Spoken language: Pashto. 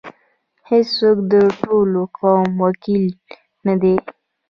هیڅوک د ټول قوم وکیل نه دی.